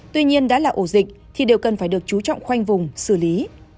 tuy nhiên đã là ổ dịch thì đều cần phải được chú trọng khoanh vùng xử lý